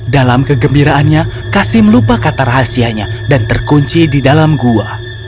dalam kegembiraannya kasim lupa kata rahasianya dan terkunci di dalam gua